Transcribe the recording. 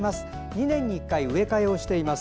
２年に１回植え替えをしています。